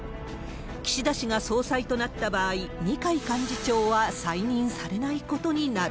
岸田氏が総裁となった場合、二階幹事長は再任されないことになる。